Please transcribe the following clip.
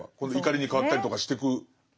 怒りに変わったりとかしてく。